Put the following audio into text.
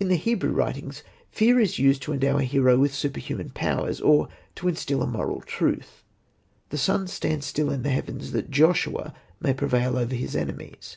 In the Hebrew writings fear is used to endow a hero with superhuman powers or to instil a moral truth. The sun stands still in the heavens that Joshua may prevail over his enemies.